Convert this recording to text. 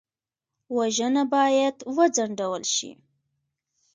وژنه باید وځنډول شي